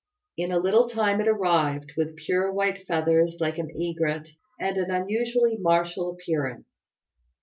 In a little time it arrived, with pure white feathers like an egret, and an unusually martial appearance.